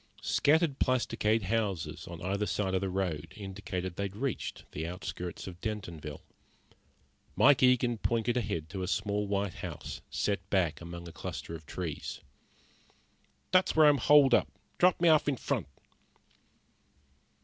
Scattered plasticade houses on either side of the road indicated they had reached the outskirts of Dentonville. Mike Eagen pointed ahead to a small white house set back among a cluster of trees. "There's where I'm holed up. Drop me off in front."